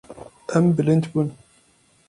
Em bilind bûn.